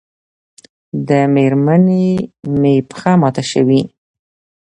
د مېرمنې مې پښه ماته شوې